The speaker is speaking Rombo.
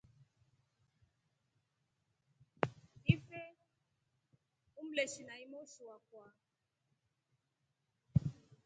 Ife umleshinai moshi wakwa.